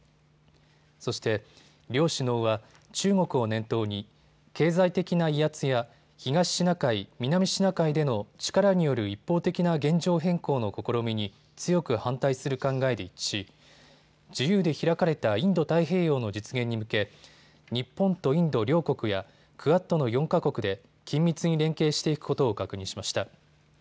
そして、両首脳は中国を念頭に経済的な威圧や東シナ海、南シナ海での力による一方的な現状変更の試みに強く反対する考えで一致し自由で開かれたインド太平洋の実現に向け日本とインド両国やクアッドの４か国で緊密に連携していくことを確認しました。